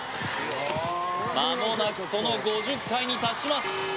まもなくその５０回に達します